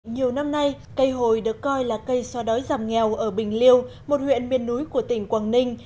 nhiều năm nay cây hồi được coi là cây xoa đói giảm nghèo ở bình liêu một huyện miền núi của tỉnh quảng ninh